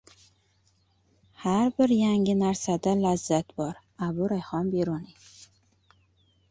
Har bir yangi narsada lazzat bor. Abu Rayhon Beruniy